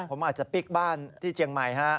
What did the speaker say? ผมอาจจะปิ๊กบ้านที่เจียงใหม่ฮะ